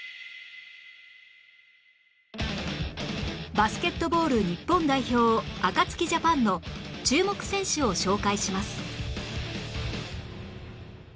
バスケットボール日本代表アカツキジャパンの注目選手を紹介します